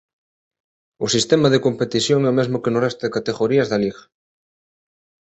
O sistema de competición é o mesmo que no resto de categorías da liga.